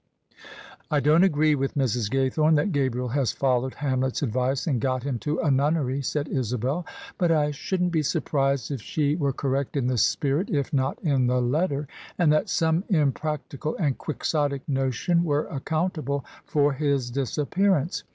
" I don't agree with Mrs. Ga3rthome, that Gabriel has followed Hamlet's advice and got him to a nunnery," said Isabel; "but I shouldn't be surprised if she were correct in the spirit if not in the letter; and that some impractical and quixotic notion were accountable for his disappearance.